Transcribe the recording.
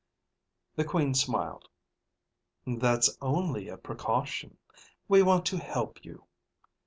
The Queen smiled. "That's only a precaution. We want to help you."